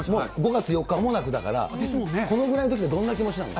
５月４日、まもなくですから、このぐらいのとき、どんな気持ちなの？